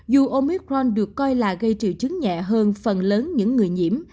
dù omicron được coi là gây triệu chứng nhẹ hơn phần lớn những người nhiễm